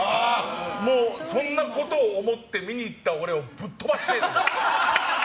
もう、そんなことを思って見に行った俺をぶっ飛ばしたい。